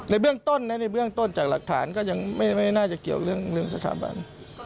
ในเบื้องต้นจากหลักฐานก็ยังไม่น่าจะเกี่ยวเรื่องสถาบัน